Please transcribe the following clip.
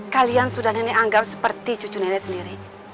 kalian sudah nenek anggap seperti cucu nenek sendiri